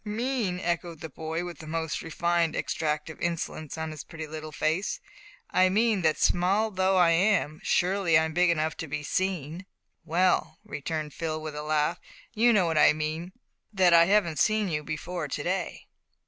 "Mean!" echoed the boy, with the most refined extract of insolence on his pretty little face; "I mean that small though I am, surely I'm big enough to be seen." "Well," returned Phil, with a laugh, "you know what I mean that I haven't seen you before to day."